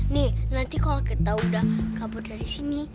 nih nanti kalau kita udah kabur dari sini